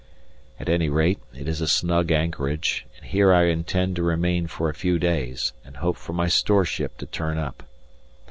At any rate, it is a snug anchorage, and here I intend to remain for a few days, and hope for my store ship to turn up.